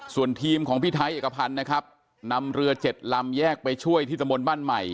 ส่วนทีมของพี่ไทยเอกพันธ์นะครับนำเรือ๗ลำแยกไปช่วยที่ตะมนต์บ้านใหม่